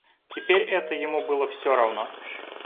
Теперь это ему было всё равно.